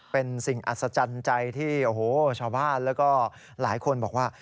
เป็นสิ่งอัศจรรย์ใจที่โอ้โหชาวบ้านแล้วก็หลายคนบอกว่า